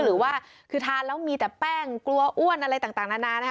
หรือว่าคือทานแล้วมีแต่แป้งกลัวอ้วนอะไรต่างนานานะคะ